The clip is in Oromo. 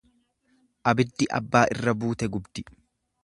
Abiddi abbaa irra buute gubdi.